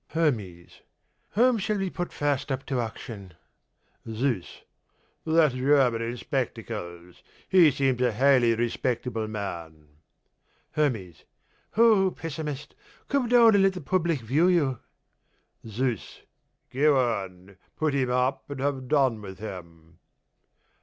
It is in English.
HERMES: Whom shall we put first up to auction? ZEUS: That German in spectacles; he seems a highly respectable man. HERMES: Ho, pessimist, come down and let the public view you. ZEUS: Go on, put him up and have done with him.